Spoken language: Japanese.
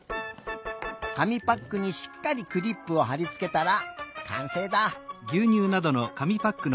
紙パックにしっかりクリップをはりつけたらかんせいだ。